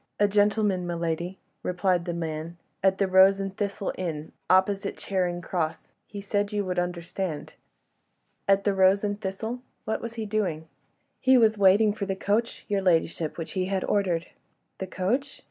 "A gentleman, my lady," replied the man, "at 'The Rose and Thistle' inn opposite Charing Cross. He said you would understand." "At 'The Rose and Thistle'? What was he doing?" "He was waiting for the coach, your ladyship, which he had ordered." "The coach?"